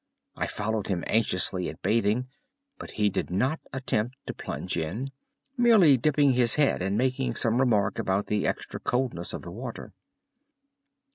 I followed him anxiously at bathing, but he did not attempt to plunge in, merely dipping his head and making some remark about the extra coldness of the water.